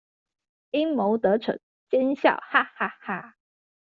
陰謀得逞，奸笑哈哈哈